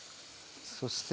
そして。